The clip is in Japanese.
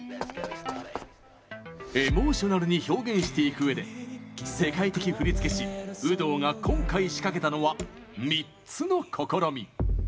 エモーショナルに表現していくうえで世界的振付師・有働が今回、仕掛けたのは３つの試み。